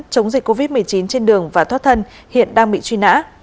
chống dịch covid một mươi chín trên đường và thoát thân hiện đang bị truy nã